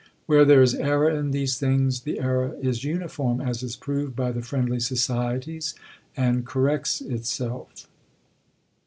Where there is error in these things, the error is uniform, as is proved by the Friendly Societies; and corrects itself....